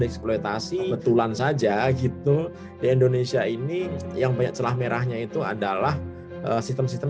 eksploitasi betulan saja gitu di indonesia ini yang banyak celah merahnya itu adalah sistem sistem